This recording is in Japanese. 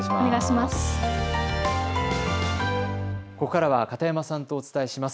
ここからは片山さんとお伝えします。